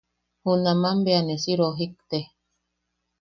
Junaman bea ne si rojikte.